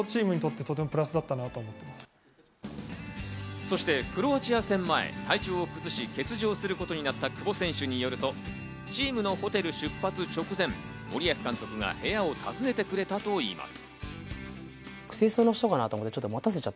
そしてクロアチア戦前、体調を崩し、欠場することになった久保選手によると、チームのホテル出発直前、森保監督が部屋を訪ねてくれたといいます。